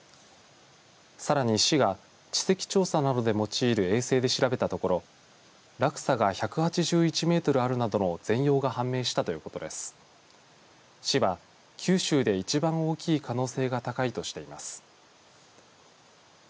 さらに市が地籍調査などで用いる衛星で調べたところ落差が１８１メートルあるなどの全容が判明したということです。